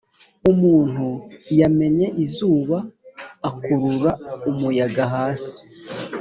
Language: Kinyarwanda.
umuntu yamennye izuba, akurura umuyaga hasi.